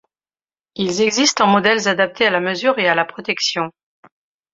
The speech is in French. Ils existent en modèles adaptés à la mesure et à la protection.